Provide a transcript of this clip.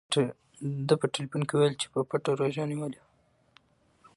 ده په ټیلیفون کې وویل چې په پټه روژه نیولې وه.